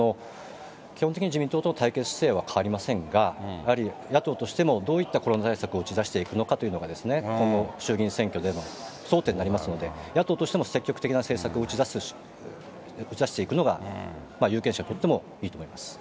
基本的に自民党との対決姿勢は変わりませんが、やはり、野党としてもどういったコロナ対策を打ち出していくのかということが、今後、衆議院選挙での争点になりますので、野党としても積極的な政策を打ち出していくのが、有権者にとってもいいと思います。